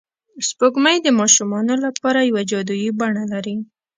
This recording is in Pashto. سپوږمۍ د ماشومانو لپاره یوه جادويي بڼه لري